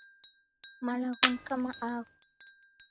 Malagho ni kama agho.